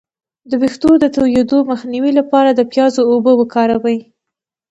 د ویښتو د تویدو مخنیوي لپاره د پیاز اوبه وکاروئ